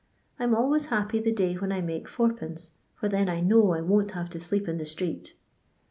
I 'm always happy the day when I make 4d., for then I know I won't have to sleep in the street.